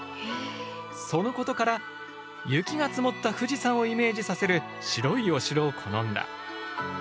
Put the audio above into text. そのことから雪が積もった富士山をイメージさせる白いお城を好んだ。